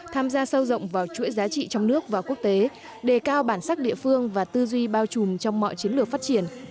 tham gia sâu rộng vào chuỗi giá trị trong nước và quốc tế đề cao bản sắc địa phương và tư duy bao trùm trong mọi chiến lược phát triển